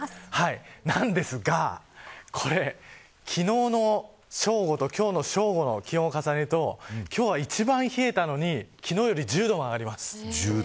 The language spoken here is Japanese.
なんですが、これ昨日の正午と今日の正午の気温を重ねると今日は、一番冷えたのに昨日より１０度も上がります。